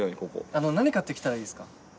あの何買って来たらいいですか？